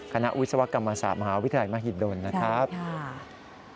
คณะวิศวกรรมอาสาบมหาวิทยาลัยมหิตดลนะครับนะครับค่ะ